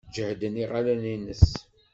Jehden yiɣallen-nnes.